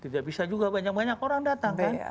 tidak bisa juga banyak banyak orang datang kan